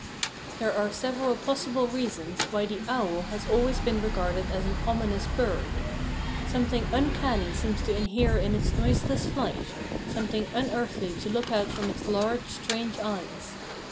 There are several possible reasons why the owl has always been regarded as an ominous bird. Something uncanny seems to inhere in its noiseless flight, something unearthly to look out from its large, strange eyes.